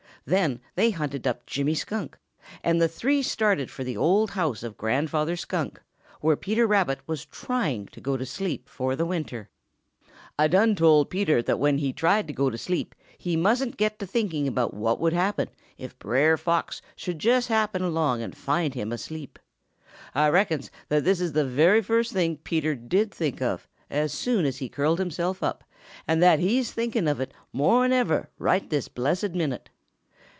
Then they hunted up Jimmy Skunk, and the three started for the old house of Grandfather Skunk, where Peter Rabbit was trying to go to sleep for the winter. "Ah done tell Peter that when he tried to go to sleep he mustn't get to thinking about what would happen if Brer Fox should jes' happen along and find him asleep. Ah reckons that that is the very first thing Peter did think of, as soon as he curled himself up and that he's thinking of it more'n ever right this blessed minute.